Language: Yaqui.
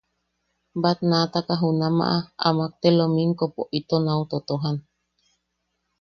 Batnaataka junama amak te lominkompo ito nau totojan.